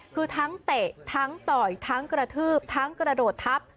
คือทั้งเตะทั้งต่อยทั้งกระทืบทั้งกระโดดทับ